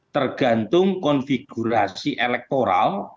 tergantung konfigurasi elektoral